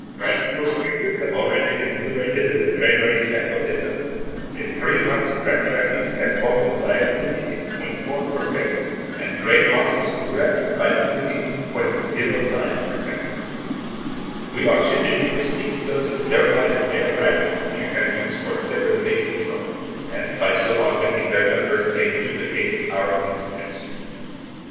Rats so treated have already been liberated in the granaries at Odessa; in three months, rat trappings there have fallen by 26.4 percent, and grain losses to rats by 32.09 percent. We are shipping you six dozen sterilized male rats, which you can use for sterilization stock, and, by so augmenting their numbers, may duplicate our own successes.